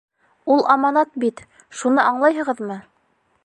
Ул аманат бит, шуны аңлайһығыҙмы?